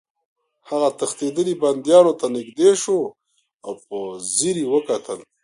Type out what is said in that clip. هغه تښتېدلي بندیانو ته نږدې شو او په ځیر یې وکتل